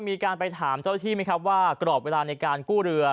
มีการไปถามเจ้าหน้าที่ไหมครับว่ากรอบเวลาในการกู้เรือ